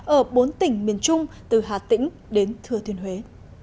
ở bốn tỉnh miền trung từ hà tĩnh đến thừa thiên huế